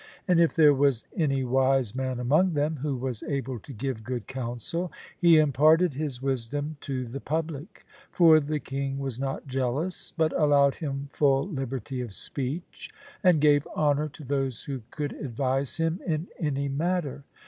And if there was any wise man among them, who was able to give good counsel, he imparted his wisdom to the public; for the king was not jealous, but allowed him full liberty of speech, and gave honour to those who could advise him in any matter.